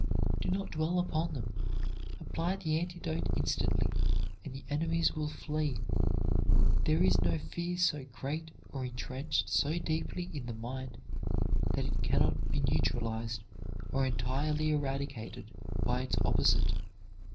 Do not dwell upon them. Apply the antidote instantly, and the enemies will flee. There is no fear so great or intrenched so deeply in the mind that it can not be neutralized or entirely eradicated by its opposite.